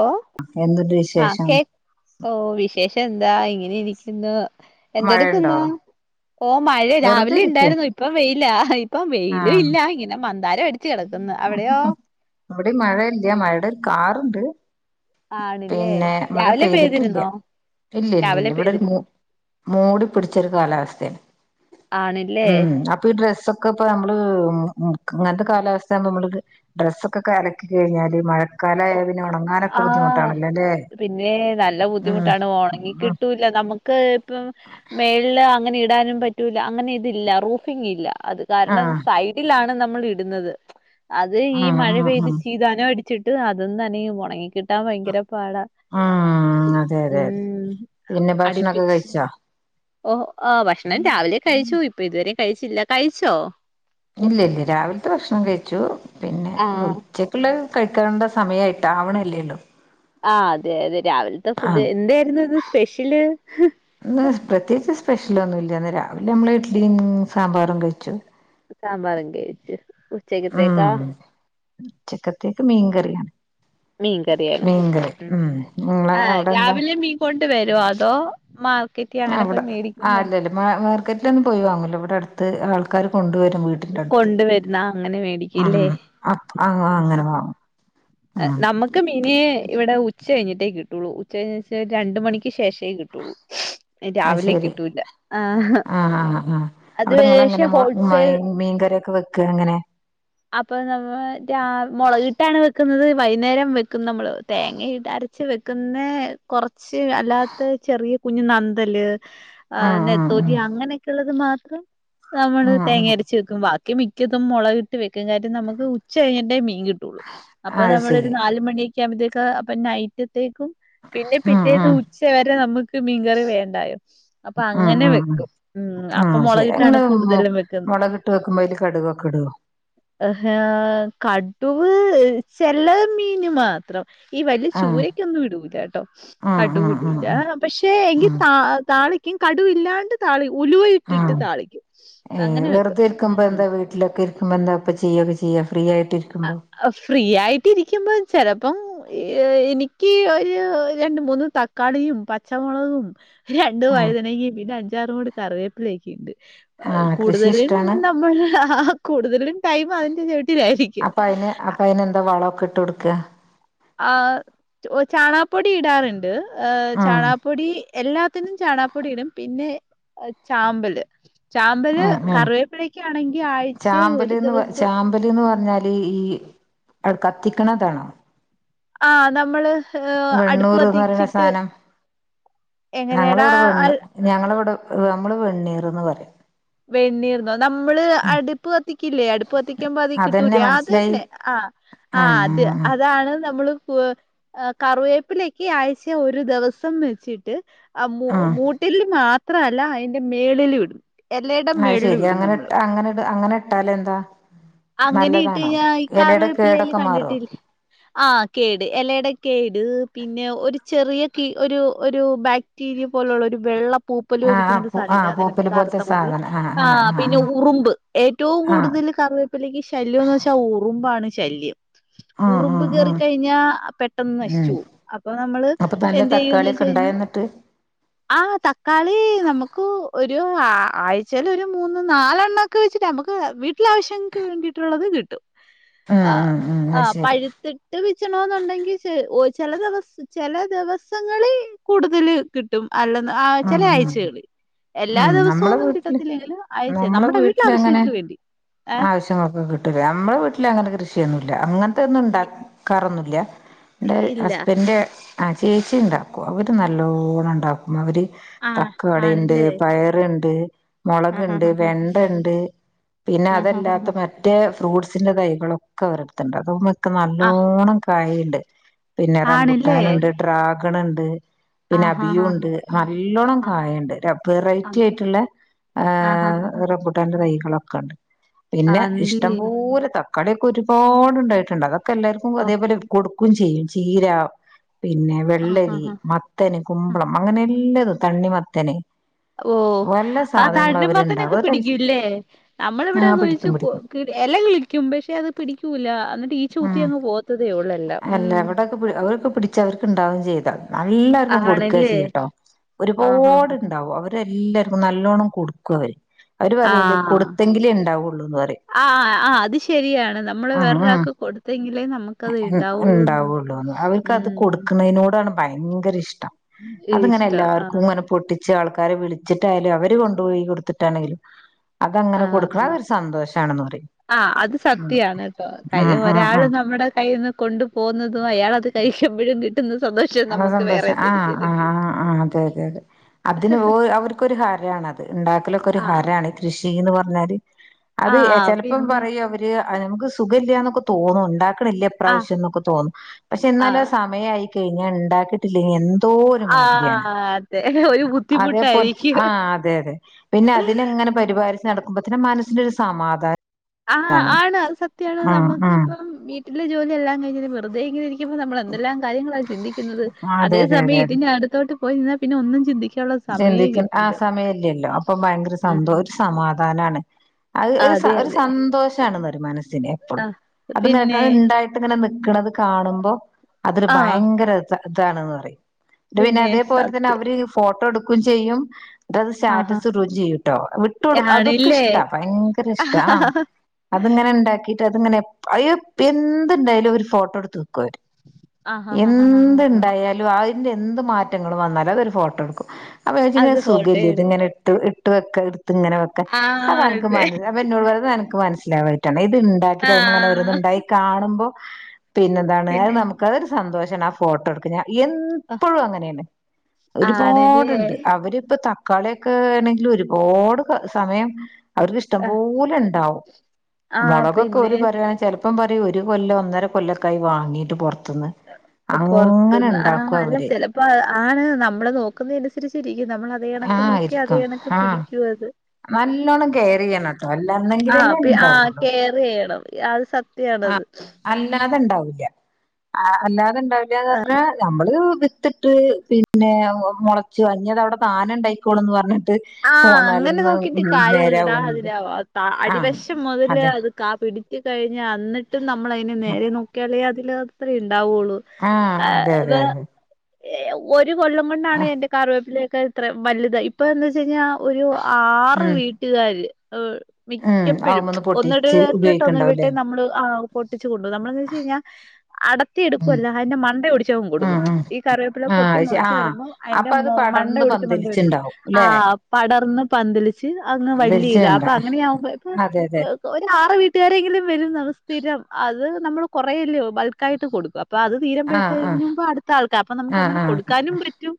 ഓ എന്തുണ്ട് ആ വിശേഷം കേ ഓ വിശേ എന്താ ഇങ്ങനെ ഇരിക്കുന്നു മഴയുണ്ടോ എന്തെട്ക്കുന്നു ഓ മഴ വെറുതെ രാവിലെ ഇരിക്കാണ് ഇണ്ടായിരുന്നു ഇപ്പ വെയില ഇപ്പ വെയിലും ഇല്ല ഇങ്ങനെ മ [unintelligible] ഇവിടെം മഴയില്ല മഴയുടെ ഒരു കാറ്ണ്ട് ആണില്ലേ പിന്നെ മഴ രാവിലെ പെയ്തിട്ടില്ല പെയ്തിരുന്നോ രാവിലെ ഇല്ലല്ലല്ല ഇവിടോര് മൂ പെയ്തിരുന്നു മൂടി പിടിച്ചോരു കാലാവസ്ഥയാണ് ആണില്ലേ ഉം അപ്പൊ ഈ ഡ്രസ്സൊക്കെ ഇപ്പ നമ്മള് ഉം ന്ക്ക് ഇങ്ങനത്തെ കാലാ സ്ഥ നമ്മള്ക്ക് ഡ്രസ്സൊക്കെ അലക്കി കഴിഞ്ഞാല് മഴ ആ അല്ലേ പിന്നെ നല്ല ഉം ബുദ്ധിമുട്ടാണ് ഉം ഒണങ്ങിക്കിട്ടൂല്ല നമുക്ക് ഇപ്പം മേള്ല് അങ്ങനെ ഇ ടാനും പറ്റൂല്ല അങ്ങനെ ഇതില്ല റൂഫിംങ്‌ ഇല്ല അത് കാരണം ആഹ് സൈഡിലാണ് ന നമ്മൾ ഇടുന്നത് അത് ഈ ആഹ് മഴ ആഹ് പെയ്ത് ആഹ് ചീതാനോ അടി ഇത് അതും നനയും ഒണങ്ങി കിട്ടാൻ ഭയങ്കര പാട ഉം അതെ അതെ അതെ ഉം പിന്നെ ഭക്ഷണൊക്കെ അടിപ്പിച്ച് കഴിച്ചോ ഓ ആ ഭക്ഷണം രാവിലെ കഴിച്ചോ ഇപ്പൊ ഇതുവരെ കഴിച്ചില്ല. കഴിച്ചോ? ഇല്ല ഇല്ല രാവിലത്തെ ഭക്ഷണം കഴിച്ചു. പിന്നെ ആഹ് ഉച്ചക്ക്ള്ള കഴിക്കേണ്ട സമയായിട്ട ആവണല്ലേള്ളു ആ അതെ അതെ രാവിലത്തെ ഫുഡ് എന്തായിരുന്നു ഇന്ന് സ്പെഷ്യല്? [inaudible] ഇന്ന് പ്രത്യേകിച്ച് സ്പെഷ്യലൊന്നുല്ല ഇന്ന് രാവിലെ മ്മള് ഇസ്സ്ലിയും സാമ്പാറും വെച്ചു സാമ്പാറും കഴിച് ഉച്ചക്കത്തേക്കാ ഉം ഉച്ചക്കത്തേക്ക് മീൻകറിയാണ് മീൻകറിയാണ്ഉം മീൻകറി ഉം നിങ്ങളെ ആ അവിടെ എന്താ രാവിലെ മീൻ കോ വരോ അതോ മാൾ അവിടെ ആ അല്ലല്ല [unintelligible] മാർക്കറ്റിൽ ഒന്നും പോയിവാങ്ങൂല ഇവിടെ ട്ത്ത് ത്ത് ആൾക്കര് കൊണ്ടുവര കൊണ്ടുവരുന്ന അങ്ങനെ ഉം മേടിക്കുല്ലേ അപ്പ ആ അങ്ങനെ ആഹ് വാങ്ങും ഉം നമ്മുക്ക് മീനി ഇവിടെ ഉച്ച ഉച്ച കഴിഞ്ഞിട്ടേ കിട്ടുള്ളൂ ഉച്ചകഴിഞ്ഞു എന്ന് വെച്ചാ രണ്ട് മണിക്ക് ശേഷേകിട്ടുള്ളൂ അത് രാവിലെ ശരി കിട്ടൂല്ല ആഹ് ആ ആ ആ അത് ക്ഷേ ഹോൾസെൽ യൊക്കെ വെക്ക എങ്ങനെ അപ്പൊ നമ്മള് രാവി മുളകിട്ടാണ് വെക്കുന്നത് വൈന്നേരം വെക്കും നമ്മൾ തേങ്ങ ഇട് അരച്ച് വെക്കുന്ന കൊറ്ച്ച് അല്ലാത്ത ചെറിയ കുഞ്ഞു നന്തല് ആഹ് നത്തോലി അങ്ങനെയൊക്കെ ഉള്ളത് മാത്ര [inaudible] നമ്മള് ആഹ് ആഹ് തേങ്ങ ആഹ് അരച്ച് വെയ്ക്കും ബാക ത്ത്മിക്കതും മുളക് ഇക്കക്കാറ്റു നമുക്ക് ഉച്ച കഴിഞ്ഞിട്ടേ മീൻ കിട്ടുള്ളൂ അപ്പൊ അത് നമ്മള് ഒരു ശരി നാല് മണി ആകമ്പഴത്തേക്ക്‌ ‌ അപ്പൊ നൈറ്റ് ത്തേക്കും പിന്നെ ആഹ് പിറ്റേന്ന് ആഹ് ഉച്ച വരെ നമുക്ക് മീൻകറി വേണ്ടായോ അപ്പൊ ആഹ് അങ്ങനെ ആഹ് വെക്കും ഉം അപ്പം ആഹ് ശരി മുളകിട്ടാണ് നിങ്ങള് കൂടുതലും വെക്കുന്നത് മുളകിട്ട് വെക്കുമ്പോ അതില് കടുകൊക്കെ ഇടുവോ ഹ് ഹെ കടുവ് ചെല മീന് മാത്രം ഈ വലിയ ആഹ് ചൂരക്കൊന്നും ഇടൂല കേട്ടോ ആഹ് കടുക് ആഹ് ആഹ് ഇടുല പക്ഷെ എങ്കിൽ ആഹ് താ താളി ക്ക്യും കടുവ് ഇല്ലാണ്ട് തളിയും ഉലുവ ഇട്ടിട്ട് ആഹ് താളിക്കും അങ്ങനെ വെക്കും ഉം ഉമ്മന്താ ഇപ്പെ ച്ചെയാക്ക ചെയ്യ ഫ്രീ ആയിട്ടിരിക്കുമ്പോ ചെലപ്പം എനിക്ക് ഒരു രണ്ട് മൂന്ന് തക്കാളിയും പച്ചമുളകും രണ്ടു ആഹ് വഴുതനെക്കേ പിന്നെ അഞ്ചാറും മൂട് കറിവേപ്പിലൊക്കെയുണ്ട് ആഹ് കൃഷി കൂടുതലും ഇഷ്ടാണ് നമ്മൾ ആഹ് ആഹ് കൂടുതലും ടൈം അതിന്റെ ചുവട്ടിലായിരിക്കും അപ്പൊ അയ്ന് അപ്പൊ അയ്ന് എന്താ വളം എക്കെ ഇട്ട് കൊടുക്ക ആഹ് ചാണപ്പൊടി ഇടാറുണ്ട് ഏഹ ആഹ് ചാണാ [unintelligible] പ്പൊടി എല്ലാത്തിനും ചാണകപ്പൊടി ഇടും പിന്നെ ചാമ്പല് ചാമ്പല് അഹ് അഹ് കറിവേപ്പിലക്കാണെങ്കി ആഴ്ച ഒരു ദിവസം ചാമ്പല്ന്ന്ചാമ്പല് എന്ന് പറഞ്ഞാല് ഇ അഹ്കത്തിക്കണതാണോ ആഹ് നമ്മള് ഏഹ് അടുപ്പ് വെണ്ണൂറ്ന്ന് പറയുന്ന കത്തിച്ചിട്ട് സാധനം ഞങ്ങളിവിടെ എങ്ങനെയടാ വെണ്ണ് ഞങ്ങളവടെ നമ്മള് വെണ്ണീറ്ന്ന് പറയാ വെണ്ണിർന്നോ. നമ്മള് അടുപ്പ് കത്തിക്കില്ലേ അടുപ്പ് കത്തിക്കുമ്പോ അതി അതന്നെ കിട്ടൂലേ അത് മനസ്സിലായി തന്നെ ആഹ് ആഹ് അത് അതാണ് നമ്മളു [unintelligible] കറിവേപ്പിലെയെക്കെ ആഴ്ച്ച ഒരു ദിവസം വെച്ചിട്ട് ആ മൂ ആഹ് മൂട്ടില് മാ ത്ര അല്ല അതിന്റെ മേളിലും ഇടും. എലയ്ടെ അത് മേളിലും ശെരി ഇടും അങ്ങനെ നമ്മള് അങ്ങനെ അങ്ങനെ ഇട്ടാലെന്താ അങ്ങനെ നല്ലതാണോ ഇട്ട്കഴിഞ്ഞാ ഈ എലയുടെ കറിവേപ്പിലേൽ കേടൊക്കെ മാറോ കണ്ടിട്ടില്ലേ ആഹ് കേട് എലയുടെ കേട് പിന്നെ ഒരു ചെറിയ കി ഒരു ഒരു ബാക്ടീരിയ പോലുള്ള ഒരു വെള്ളം പൂപ്പലു പോലിരിക്കുന്ന ഒരു ആഹ് സാധനണ്ട് ആഹ് അതിനെ പൂപ്പല് കറ് പോലത്തെ [unintelligible] സാധനം ആഹ് പിന്നെ ഉറുമ്പ് ഏറ്റവും ആഹ് കൂടുതൽ കറിവേപ്പിലക്ക് ശല്യമെന്ന് വച്ചാ ഉറു മ്പാണ് ശല്യം. ഉറുമ്പ് ആഹ് കേറി ആഹ് കഴിഞ്ഞാ പെട്ടെന്ന് ഉം നശിച്ചുപോവും. അപ്പൊ നമ്മള് അപ്പൊ നല്ല എന്ത് ചെയ്യൂന്ന് വച്ച് തക്കാളിയൊക്കെ കഴിഞ്ഞാ ഇണ്ടായന്നിട്ട് ആ ഹ് തക്കാളി നമുക്ക് ഒര് [unintelligible] ആഴ്ച്ചേല് ഒര് മൂന്ന്, നാലെണ്ണക്കെ വെച്ചിട്ട് അമക്ക് വീട്ടിലാവശ്യങ്ങ്ക്ക് വേണ്ടിയിട്ടുള്ളത് കിട്ടും. ഉം ആഹ് ഉം ഉം അത് ആഹ്. ശരി പഴുത്തിട്ട് പിച്ചണോന്നുണ്ടെങ്കി ചെ ഒ ചില ദിവസ ചില ദിവസങ്ങളി കൂടുതൽ കിട്ടും. അല്ലെന്ന് ആ ചില ഉം ഉം ആഴ്ചകളി എല്ലാ ഉം ദിവസ നമ്മളെ വീട്ട്ല്, നമ്മളെ വീട്ടില് അങ്ങനെ വീട്ടിലാവശ്യങ്ങൾക്ക് വേണ്ടി. ഏഹ് ആവശ്യങ്ങൊക്കെ കിട്ടുലേ നമ്മളെ വീട്ടിൽ അങ്ങനെ കൃഷിയൊന്നും ഇല്ല അങ്ങൻത്തെന്നും ണ്ടാക്കാറൊന്നുല്ല. ഇ എന്റെ ഇല്ല. ഹസ്ബന്റെ ആ ചേച്ചി ഇണ്ടാക്കും. അവര് നല്ലോണം ഇണ്ടാക്കും. അവര് ആഹ് തക്ക്വടെണ്ട്, ആണല്ലേ? പയറ്ണ്ട്. മൊളക്ണ്ട്, ആഹാഹാഹാ വെണ്ടണ്ട്. പിന്നെ അതല്ലാത്ത ആഹാഹാഹാ മറ്റേ ഫ്രൂട്ട്സ്. സിന്റെ തൈകളൊക്കെ അവരടുത്തുണ്ട്. അത ക്കെ ആഹ് നല്ലോണം കായ്ണ്ട്. പിന്നെ ആണല്ലേ? റംമ്പുട്ടാന്ണ്ട്, ട്രാ ക്ക്ണ് ണ്ട്. പിന്നെ അബിയു ആഹാഹാഹാ ണ്ട്. നല്ലോണം ആഹ് കായ്ണ്ട്. വെറൈറ്റി ആഹ് ആയിട്ട്ള്ള ആ ആഹാഹാഹാ റെമ്പുട്ടാൻ തൈകളൊക്കെ ണ്ട്. പിന്നെ ആന്നില്ലേ? ഇഷ്ടംപോലെ ത ക്കടയൊക്കെ ഒരുപാടുണ്ടായിട്ടുണ്ട് അ ക്ക എല്ലാവർക്കും ഓ അതേപോലെ കൊടുക്കുകയും ചെയ്യും ചീര പിന്നെ ആഹ് വെള്ളരി, ആഹ് മത്തന്, ആഹ് കുമ്പളം അങ്ങനെ ല്ലത് തണ്ണിമത്തന് ഓഹ് ആ തണ്ണിമത്തനൊക്കെ അവരുണ്ടാവും അത് പിടിക്കുല്ലേ ആ നമ്മളിവിടെ കുഴിച്ച് പിടിക്കും പിടിക്കും എല കിളിക്കും പക്ഷെ അത് പിടിക്കൂല എന്നി ഉം അല്ല ഇവിടൊക്കെ അവരൊക്കെ പിടിച്ച് അവർക്കുണ്ടാകു ചെയ്താ എല്ലാർക്കും കൊടുക്കുവാ ആണല്ലേ ചെയ്യാട്ടോ ആഹ് ആഹ് ഒരുപാടുണ്ടാകും അവരെല്ലാ നല്ലോണം കൊടുക്കു അവര്. അവര് പറയും ഇത് ആഹ് കൊടുത്തെങ്കിലേ ഉണ്ടാവുള്ളൂന്ന് പറയും ആ ആ അത് ശരിയാണ് നമ്മള് വേറൊരാൾക്ക് കൊടു ത്തെങ്കിൽ ഉണ്ടാവുള്ളൂ അവർക്ക് അത് ഉം കൊടുക്കുന്നതിനോടാണ് ഭയങ്കര ഇഷ് ടം അത്ങ്ങനെ ഇഷ്ടം എല്ലാവർക്കും ആഹ് ഇങ്ങനെ പൊട്ടിച്ച് ആൾ ക്കാരെ വിളിച്ചിട്ടായാലും അവര് കൊണ്ടുപോയി കൊടുത്തിട്ടാണെങ്കിലും [unintelligible] അതങ്ങനെ കൊടുക്കണം [unintelligible] അതൊരു സന്തോഷാണെന്ന് പറയും ഉം ഉം ഉം ഉം കൊണ്ടു പോന്നതും അയാളത് കഴിക്കുമ്പഴും കി സന്തോഷം ആ ആ ആ ആ അതെതെ അതെ അതിന് അവർക്കൊരു ഹരാണ് അത് ഉണ്ടാക്കലൊക്കെ ഒരു ആഹ് ഹരാണ് ഈ കൃഷിന്ന് പറ എല്ലാര് അത് ആഹ് ചെലപ്പം പിന്നെ പറയും അവര് അത് നമുക്ക് സുഖമില്ലാ യെന്നൊക്കെ തോന്നും ഇണ്ടാ ന്നില്ല ആഹ് ഇപ്രാവശ്യന്നൊക്കെ തോന്നും പക്ഷെ എന്നാലും ആ ആഹ് സമയായി പിന്നെ ഉണ്ടാക്കിട്ടില്ലെങ്കി എ ന്തോ ഒരു ആഹ് മാതിരിയാണ് അതെ ഒരു അതേപോലെ ബുദ്ധിമുട്ടായിരിക്കും ആ അതെ അതെ പിന്നെ അതിനങ്ങനെ പരിപാലിച്ച് നടക്കുമ്പത്തേക്കും മനസ്സിന് ഒരു സമാധാനം. ആ ആണ് അത് സത്യാണ് ഉം നമ്മക്ക് ഉം ഇപ്പം വീ ട്ടിലെ ജോലി എല്ലാം കഴിഞ്ഞ് വെറുതെ ഇങ്ങനെ ഇരികുമ്പ നമ്മള് എന്തെല്ലാം കാര്യങ്ങളാ ചിന്തിക്കുന്നത് അതെ അതേ അതെ അതെ സമയം ഇതിന്റെ അടുത്തോട്ട് പോയി നിന്നാൽ പിന്നെ ഒന്നും ചിന്തിക്ക ചിന്തിക്കുന്ന ആ സമയില്ലല്ലോ അപ്പൊ ഭയങ്കര സന്തോ ഉം ഒരു സമാധാനമാണ്. അത് ഒരു അതെ ഒരു അതെ സന്തോഷാണത് മന സ്സിന് എപ്പോഴും ആഹ് അതിങ്ങനൊക്കെ പിന്നെ ഉണ്ടായിട്ട് ഇങ്ങനെ നിക്കണത് കാണുമ്പോ അതൊരു ആഹ് ഭയങ്കര ച്ചാണെന്ന് പറിം ന്നട്ട് പിന്നെ അതേപോലെ തന്നെ അവര് ഫോട്ട കൊടുക്കും ചെയ്യും അത് ആഹാ സ്റ്റാറ്റസ് ഇടോം ചെയ്യൂട്ടോ വിട്ട് കൊടു അതൊക്കെ ആണില്ലേ ഇഷ്ടാ ഭയങ്കര ഇഷ്ട ആ അത്ങ്ങനെ ഇണ്ടാക്കി അതങ്ങനെ അയ്യ എന്ത്ണ്ടായാലും ഒരു ഫോട്ടോ ട്ത്ത് ക്കൊര് ആഹാഹാഹാഹാ എന്ത്ണ്ടായാലും അഅ് ന്റെ ന്ത് മാറ്റങ്ങള് വന്നാലും അതൊരു ഫോട്ടോ ട്ക്കും അത് [unintelligible] ഫോട്ടോ സുഖല്ല്യ ഇത് എടുക്കും ഇങ്ങനിട്ട് ഇ ത്ത് വെക്കെ ഇത്ങ്ങനെ വെക്ക ആഹ് അതൻക്ക് അതെ മന അപ്പന്നോട് പറ അതൻക്ക് മനസ്സി [unintelligible] ഇണ്ടാക്കിട്ട യ്മെന്നിങ്ങനെ ഓരോന്ന് ആഹ് ഇണ്ടായി കാണുമ്പോ പിന്നെന്താണ് അഅ് പിന്നെ നമുക്ക് അതൊരു സന്തോഷാണ് ഫോട്ടോ ട്ക്ക ഞ എൻപ്പോഴും അങ്ങനെന്നേ ആണ്ല്ലേ ഒരുപാട് ണ്ട്ണ്ട് അവരിപ്പം ത കളിയൊക്കെ ആണെങ്കിൽ ഒരുപാട് സമയം അവര്ക്കിഷ്ടംപോലെ ഇണ്ടാവും ആഹ് മുളകൊക്കെ പിന്നെ ഒരു പറയാ ചെല ഇപ്പം പറയും ഒരു കൊല്ലൊ ഒന്നര കൊല്ലൊക്കായി വങ്ങിട്ട് പൊർ പൊറത്ത്ന്ന് ആ അല്ല അവര് ചെലപ്പോ ആണ് നമ്മള് നോക്കുന്നേന് അത് ശെരി റ്റിക്ക് നമ്മളെ അതേണക്ക് ആഹ് നോക്യാ ഇരിക്കും അതേണക്ക് ആഹ് പിടിക്കുഅത് നല്ലോണം കെയറെയ്യണട്ടോ അല്ലന്നെങ്കിലെന്നെ ആഹ് ആഹ് ഇണ്ടാവൊള്ളു കെയറെയ്യണം അത് ആ സത്യാണത് അല്ല അത്ണ്ടാവുല അ അല്ലാതെ ണ്ടാവുല പർഞ്ഞ നമ്മള് ത്തിട്ട് പിന്നെ മൊളച്ചു ഇഞ്ഞതവിടെ താനെ ഇണ്ടായിക്കോളുന്ന് പർഞ്ഞ ആ അങ്ങനെ നോക്കിട്ട് കാര്യ ല്ലടാ അതി നേരാവൊന്നുല്ല ആഹ് അടിവശം മൊതല് അതെ അത് കാ പിടിച്ച് കഴിഞ്ഞ വന്നിട്ടും നമ്മള് അയിന് നേരെ നോക്യാലേ അതില് [unintelligible] ഉണ്ടാവുള്ളൂ ആഹ് എ അതെ അതെ ദ് അതെ ഏ ഒര് ഒരു കൊല്ലം കൊണ്ടാണ് ആഹ് എന്റെ കാറിവേപ്പിലേ [inaudible] ത്ര വലുതായി ഇപ്പം എന്ന് ശനിയാവ് ഒരു ആറ് ഉം വീട്ടുക്കാര് ൾ ഉം മിക്കപ്പോഴും അവുമ്മന്ന് പൊട്ടിച്ച് ഒന്നിടവിട്ട് ഒന്നിടവിട്ട് ഉപയോഗിക്ക്ണ്ടാവുംല്ലേ നമ്മള് ആ പൊട്ട് വ കൊ നമ്മളന്ന് വെച്ച് കഴിഞ്ഞാൽ അടത്തി ഉം എടുക്കുവല്ല അതിന്റെ മണ്ട ഒടിച്ചങ്ങ് ഉം കൊടുക്കും ഉം ഈ കറിവേപ്പില ആ പൊട്ടി അത് ശ ആ മുളച്ച് വരുമ്പോൾ അപ്പൊ അതിന്റെ അത് മൊ മണ്ട പടർന്ന് ഒടിച്ച് മണ്ടയൊടിച്ച് പന്തലിച്ചുണ്ടാവും മണ്ടയൊടിച്ച് ആ ല്ലെ പടർന്ന് പന്തലിച്ച് അങ്ങ് വള്ളി യിതാ പന്തലിച്ചുണ്ട അപ്പൊ അങ്ങനെയാവുമ്പോ ഇപ്പൊ അതെ അതെ ഒ ആറ് വീട്ടുകാരെങ്കിലും വരുന്നത് സ്ഥിരം അത് നമ്മൾ കുറല്ലോ ബൾക്ക ആയിട്ട് കൊട്ക്ക അപ്പൊ അത് തീരം ആ ആ പഴതേനും അടുത്ത ആൾക്കാ അപ്പൊ നമുക്ക് ആ അങ്ങനെ ആ കൊടുക്കാനും പറ്റും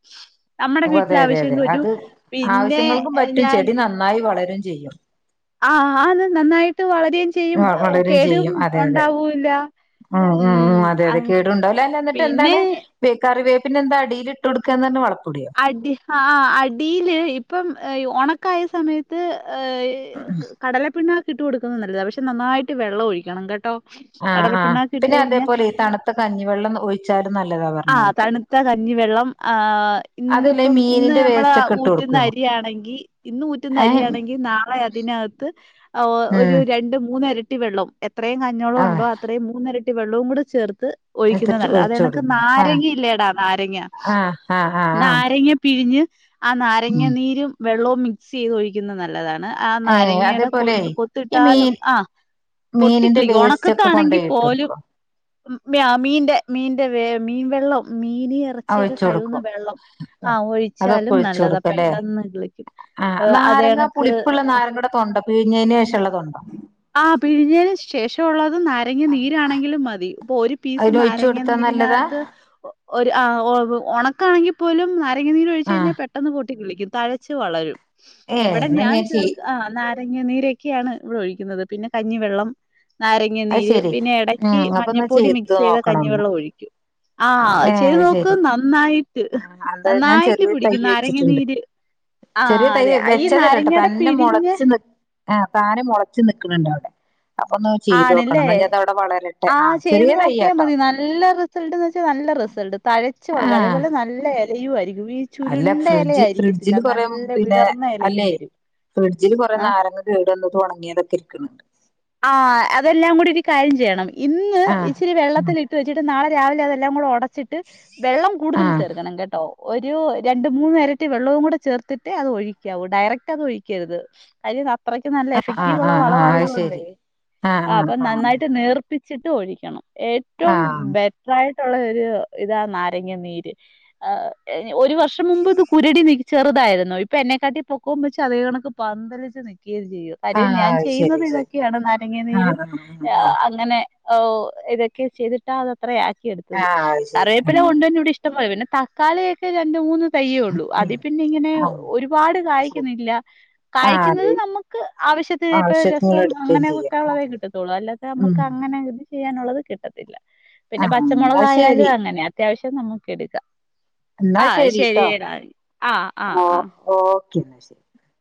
നമ്മുടെ ഓ വീട്ടില അതെ അതെ അതെ ആവശ്യങ്കും പറ്റും അത് പിന്നെ ആവശ്യങ്ങൾക്കും പറ്റും ചെടി നന്നായി വളരും ചെയ്യും ആഹ അത് നന്നായിട്ട് വള വളരും ചെയ്യും അതെ അതെ ഉണ്ടാവൂല്ല ഉ ഉ ഉ അതെ ഉം അതെ കേടുണ്ടല്ലേ എന്നിട്ട് എന്താണ് പിന്നെ കറിവെപ്പ് പിന്നെന്ത അടിയില് ട്ടോട്ക്കാ അടി ആ അടിയില് ഇപ്പം ഉണക്കായ സമയത്ത് ഏ കടലപ്പിണ്ണ ഇട്ട് കൊടുക്കുന്നത് നല്ലതാണ് പക്ഷെ നന്നായിട്ട് വെള്ള ഒഴിക്കണം കേട്ടോ ആഹ് ആഹ് കടലപ്പിണ്ണാക്ക് ഇട്ട് പിന്നെ കഴിഞ്ഞാ അതേപോലെ ഈ തണുത്ത കഞ്ഞിവെള്ളം ഒഴിച്ചാലും നല്ല ആ തണുത്ത കഞ്ഞിവെള്ളം ആഹ് അതുല്ല ഈ ഇന്നിപ്പം ഇന്ന് മീനിന്റെ നമ്മള വേസ്റ്റ് ഒക്കെ ഇട്ട് ഊറ്റന്ന് കൊടുക്കുവോ അരിയാണെങ്കിൽ ഇന്ന് ഊറ്റന്ന് ഏ അരിയാണെങ്കിൽ നാളെ അതിനകത്ത് ഒരു ഉം രണ്ട് മൂന്നര റ്റി വെള്ളം എത്ര അത്രയും കഞ്ഞോളം ആ ഉണ്ടോ അത്രയും മൂന്ന് ഇരട്ടി വെള്ളവും കൂടെ ചേർത്ത് എടുത്തിട്ട് ഒഴിക്കുന്നതല്ല ഒഴിച്ചു അതന്നെ കൊടുക്കും ആഹ് നാരങ്ങയില്ലേടാ നാരങ്ങ ആഹ് ആഹ് ആഹ് ആഹ് നാരങ്ങ പിഴിഞ്ഞ് ആ നാരങ്ങനീരും വെള്ളവും മിക്സ് ചെയ്ത് ഒഴിക്കുന്നത് നല്ലതാണ് ആ ഏഹ് നാരങ്ങയുടെ അതേപോലെ കൊന്ത് കൊത്ത് ഈ ഇട്ടാലും മീൻ ആ പൊട്ടി മീനിന്റെ കിളിക്കും വേസ്റ്റ് ഒക്കെ ഒണക്കാണെങ്കിൽ കൊണ്ടോയി ഇട്ട് പോലും കൊടുക്കോ മീനിന്റെ മിന് ഏ മീൻ വെള്ളം മീനി ആഹ് ഇറച്ചിയൊക്കെ ഒഴിച്ചു കഴുകുന്ന കൊടുക്കും വെള്ളം ആ അതൊക്കെ ഒഴിച്ചാലും ഒഴിച്ചു നല്ലതാ കൊടുക്കുംല്ലേ പെട്ടെന്ന് കിളിക്കും ആഹ് അത നാരങ്ങ എനക്ക് പുളിപ്പുള്ള നാരങ്ങയുടെ തൊണ്ട പിഴിഞ്ഞതിന് ശേഷമുള്ള തൊണ്ടോ ആ പിഴിഞ്ഞന് ശേഷമള്ളത് നാരങ്ങ നീരാണെങ്കിലും മതി ഇപ്പൊ ഒരു പീസ് അതിന് ഒഴിച്ചു നാരങ്ങ കൊടുത്താ നിര് നല്ലതാ അതിനകത്ത് ഒരു ആഹ് ഒ ഉണക്കണെങ്കിൽ പോലും നാ നാരങ്ങ നീര് ഒഴിച്ച് കഴിഞാ ആഹ് പെട്ടെന്ന് പെ ട്ട്‌ കിളിക്കും തഴെച്ച് വളരും ഏഹ് ഇവടെ എന്നാ ഞാൻ ചേർ ചെയ് ആ നാരങ്ങ നീരെക്കെയാണ് ഇവിടെ ഒഴിക്കുന്നത്. പിന്നെ കഞ്ഞിവെള്ളം നാരങ്ങ അത് നീര് ശരി പിന്നെ എടയ്ക്ക് ഉം അപ്പൊന്ന് മഞ്ഞൾപ്പൊടി ചെയ്ത് മിക്സ് ചെയ്ത നോക്കണം ഒന്ന് കഞ്ഞിവെള്ളം ഒഴി ആ ഏഹ് ചെയ്ത് അത് നോക്ക് ശരി നന്നായിട്ട് ആഹ് എന്താ ഞാൻ നന്നായിട്ട് ചെറിയൊരു തൈ പിടിക്ക് നാരങ്ങ വെച്ചിട്ടുണ്ട് നീര് ആ ചെറിയ തൈ അതെ ഈ നാരങ്ങയുടെ പിഴിഞ്ഞ ആ താനം മുളച്ച് നിക്ക് ണ്ണ് ടാടെ അപ്പം ആണ് ല്ലേ ആ ആഹ് ചെയ്ത് ചെറിയ നോക്കിയാ തയ്യാട്ടോ മതി നല്ല റിസൽ ട്ട്ന്ന് വച്ചാ നല്ല റിസൽ ട്ട് തഴച്ച് ആഹ് വളരുംഅതേപോലെ നല്ല എലയും ഈ അല്ല ചുരുണ്ട ഫ്രിഡ്ജ് ഫ്രിഡ്ജിൽ എലയായിരിക്കത്തില്ല കൊറെ നല്ല പിന്നെ വിടർന്ന എലയും അല്ലേ വരും ഫ്രിഡ്ജിൽ കൊറെ ആഹ് നാരങ്ങ കേടു വന്ന തും ഒ ണങ്ങിയതൊക്കെ രിക്ക് ണ്ട് ആ അതെല്ലാം കൂടി ഒരു കാര്യം ചെയ്യണം ഇന്ന് ആഹ് ഇച്ചിരി വെള്ളത്തി ഇിട്ട് വെച്ചിട്ട് നാളെ രാവില അതല്ലാം കൂടെഒടച്ച് വെച്ചിട്ട് വെള്ളം കൂടുതൽ ആഹ് ചേർക്കണം കേട്ടോ ഒരു രണ്ട മൂന്ന് നേരട്ട വെള്ളവും കൂടെ ചേർത്തിട്ട് അത് ഒഴിക്കാവൂ ഡയറക്റ്റ് അത് ഒഴിക്കരുത് അര് അത്രയ്ക്ക് നല്ല ആഹ് എഫക്റ്റീവ് ഉള്ള ആഹ് വള ആഹ് അത് ആയതുകൊണ്ട് ശരി ആഹ് ആ അപ്പൊ ആഹ് നന്നായിട്ട് നീർ ഒപ്പിച്ചിട്ട് ഒഴിക്കണം ആഹ് ഏറ്റവും ആഹ് ബെറ്ററായിട്ട് ള്ള ഒരു ഇതാണ് നാരങ്ങ നീര് ഒരു വർഷം മുമ്പ് ഇത് കുരടി ന ചെറുതായിരുന്നു ഇപ്പ എന്നെക്കാട്ടി പൊക്ക് വെച്ച് അത്ക കണക്ക് പന്തലിച്ച് നി ഇത് കാര്യം ആഹ് ഞാൻ അത് ചെയ്യുന്നത് ശരി ഇത ശരി നാരങ്ങ നീര് ആഹ് അ ആഹ് അങ്ങനെ ഓ ഇതൊക്കെ ചെയ്തിട്ടാ അതത്ര ആഹ് എടുത്തത് ആഹ് അത് ശരി കറിവേപ്പില ആഹ് കൊണ്ടെനോട് ഇഷ്ടം പോലെ പിന്നെ തക്കളിഒക്കെ രണ്ട് മൂന്ന് തയ്യേ ഉള്ളൂ അതി പിന്നെ ഇങ്ങനെ ഉം ഒരുപാട് ആഹ് ശരി കായ്ക്കുന്നില്ല കായക്കുന്നത് ആഹ് നമുക്ക് ആവശ്യത്തിന് ര ആവശ്യങ്ങൾ സം എടുക്കുകയും ചെയ്യാം അങ്ങനെവെക്കാള്ള തെ അതെ അതെ. കിട്ടത്തുള്ളൂ അല്ലാതെ ഉം നമുക്ക് അങ്ങനെ ചെയ്യാനുള്ളത് കിട്ടത്തില്ല ആ പിന്നെ എന്നാ പച്ചമുളകായാലും ശരി അങ്ങനെ അത്യാവശ്യ നമുക്ക് എടുക്കാം എന്നാ ആ ശരിട്ടോ ശരിയടാ ആ ആ ഒ ആ ഓ [unintelligible]